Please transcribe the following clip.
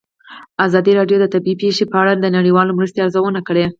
ازادي راډیو د طبیعي پېښې په اړه د نړیوالو مرستو ارزونه کړې.